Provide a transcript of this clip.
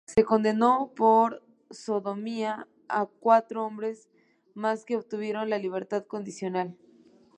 Se condenó por sodomía a cuatro hombres más que obtuvieron la libertad condicional.